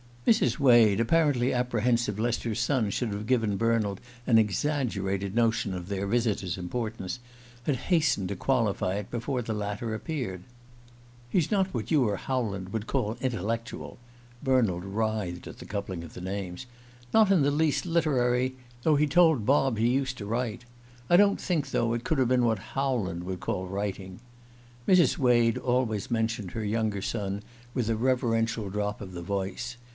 Mrs. Wade, apparently apprehensive lest her son should have given Bernald an exaggerated notion of their visitor's importance, had hastened to qualify it before the latter appeared. "He's not what you or Howland would call intellectual "(Bernald writhed at the coupling of the names) "not in the least literary; though he told Bob he used to write. I don't think, though, it could have been what Howland would call writing." Mrs. Wade always mentioned her younger son with a reverential drop of the voice.